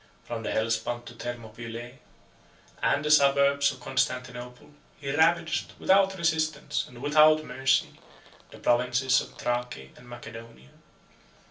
From the Hellespont to Thermopylae, and the suburbs of Constantinople, he ravaged, without resistance, and without mercy, the provinces of Thrace and Macedonia.